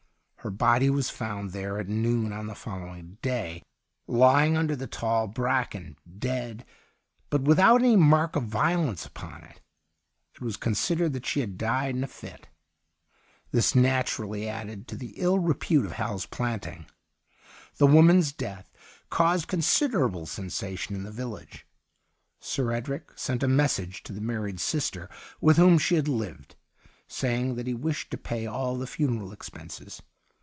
Her body was found there at noon on the 130 THE UNDYING THING following day, lying under the tall bracken^ dead, but without any mark of violence upon it. It was considered that she had died in a fit. This naturally added to the ill repute of Hal's Planting. The woman's death caused considerable sensation in the village. Sir Edric sent a messenger to the married sister with whom she had lived, saying that he wished to pay all the funeral expenses.